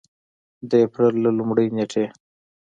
د اپرېل له لومړۍ نېټې